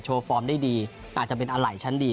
ฟอร์มได้ดีอาจจะเป็นอะไรชั้นดี